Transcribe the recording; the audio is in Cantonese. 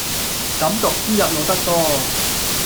噉讀書入腦得多